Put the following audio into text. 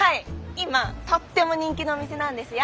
今とっても人気のお店なんですよ。